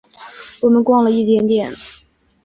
我们逛了一点点